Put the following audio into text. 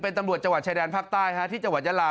เป็นตำรวจจังหวัดชายแดนภาคใต้ที่จังหวัดยาลา